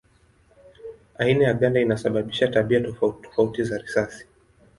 Aina ya ganda inasababisha tabia tofauti tofauti za risasi.